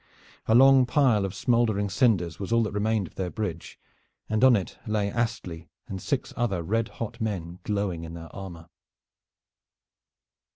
A long pile of smoldering cinders was all that remained of their bridge, and on it lay Astley and six other red hot men glowing in their armor.